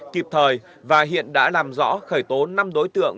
kịp thời và hiện đã làm rõ khởi tố năm đối tượng